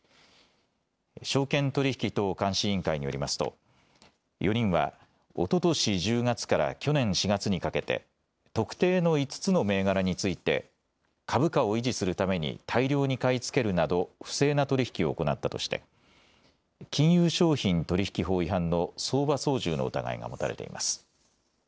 証券取引等監視委員会によりますと４人は、おととし１０月から去年４月にかけて特定の５つの銘柄について株価を維持するために大量に買い付けるなど不正な取引を行ったとして金融商品取引法違反の相場操縦の疑いが持たれています。